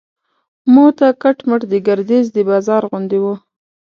موته کټ مټ د ګردیز د بازار غوندې و.